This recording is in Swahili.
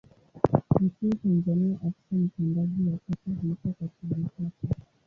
Nchini Tanzania afisa mtendaji wa kata huitwa Katibu Kata.